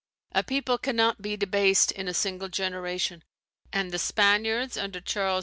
A people cannot be debased in a single generation; and the Spaniards under Charles V.